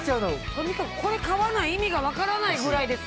とにかくこれ買わない意味が分からないぐらいです